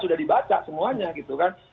sudah dibaca semuanya gitu kan